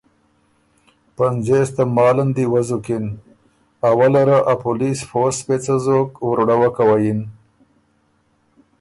پنځېس تماله ن دی وزُکِن۔ اوله ره ا پولیس فورس پېڅه زوک وُرړوکه وه یِن۔